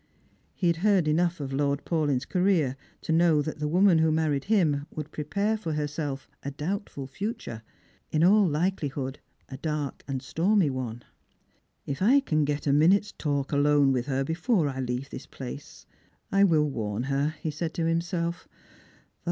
He had heard enough of Lord Paulyn's career to know that the woman who married him would prepare for herself a doubtful future; in all likelihood a dark and stormy one. Strangers and Pilgrivia. 135 " If I can get a minute's talk alone with her before I leave thia place, I will warn her," he said to himself; "though.